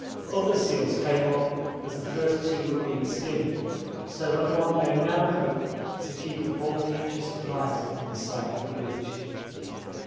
Other seals came up as the first two were being skinned, so that one may now hope to keep up all future supplies on this side of the ridge.